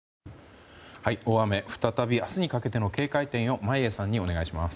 大雨、再び明日にかけての警戒点を眞家さんにお願いします。